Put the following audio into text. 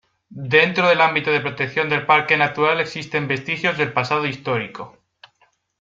Dentro del ámbito de protección del parque natural existen vestigios del pasado histórico.